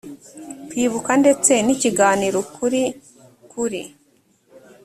kwibuka ndetse n ikiganiro ukuri kuri